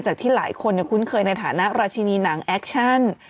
ที่หลายคนคุ้นเคยในฐานะราชินีหนังแอคชั่น